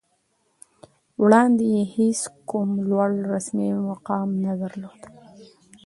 وړاندې یې هېڅ کوم لوړ رسمي مقام نه درلود